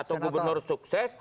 atau gubernur sukses